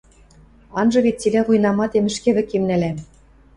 Анжы вет цилӓ вуйнаматем ӹшке вӹкем нӓлӓм?